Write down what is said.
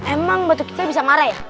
emang batu kecil bisa marah ya